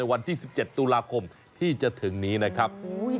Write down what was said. วันที่๑๗ตุลาคมที่จะถึงนี้นะครับ